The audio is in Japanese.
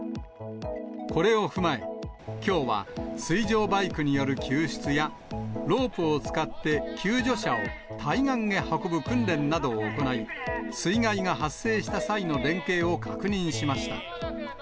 これを踏まえ、きょうは水上バイクによる救出や、ロープを使って救助者を対岸へ運ぶ訓練などを行い、水害が発生した際の連携を確認しました。